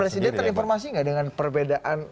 presiden terinformasi nggak dengan perbedaan